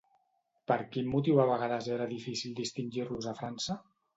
Per quin motiu a vegades era difícil distingir-los a França?